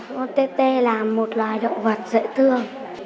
con tê tê là một loài động vật dễ thương